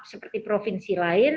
seperti provinsi lain